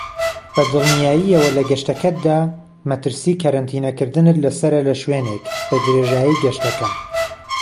بەدڵنیاییەوە لە گەشتەکەتدا مەترسی کەرەنتینە کردنت لەسەرە لەشوێنێک بەدرێژایی گەشتەکە.